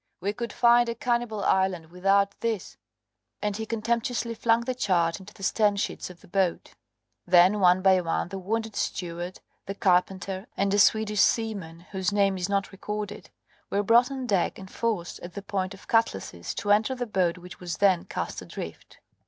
We could find a cannibal island without this," and he contemptuously flung the chart into the stern sheets of the boat. Then, one by one, the wounded steward, the carpenter, and a Swedish seaman whose name is not recorded, were brought on deck and forced, at the point of cutlasses, to enter the boat, which was then cast adrift.